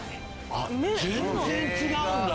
あっ全然違うんだ。